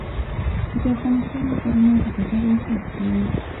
چې د افغانستان لپاره مې د خطر احساس کاوه.